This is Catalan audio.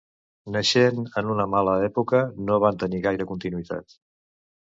Naixent en una mala època, no van tenir gaire continuïtat.